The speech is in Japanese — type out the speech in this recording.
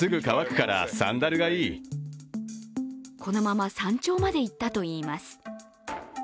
このまま山頂まで行ったといいます。